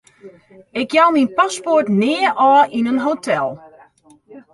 Ik jou myn paspoart nea ôf yn in hotel.